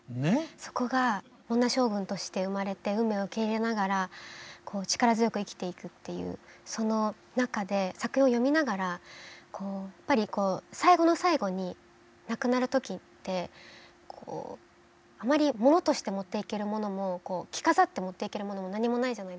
そこが女将軍として生まれて運命を受け入れながらこう力強く生きていくっていうその中で作品を読みながらやっぱりこう最後の最後に亡くなる時ってあまりものとして持っていけるものも着飾って持っていけるものも何もないじゃないですか。